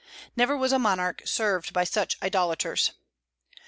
Never was a monarch served by such idolaters.